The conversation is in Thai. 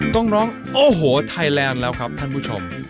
ต้องร้องโอ้โหไทยแลนด์แล้วครับท่านผู้ชม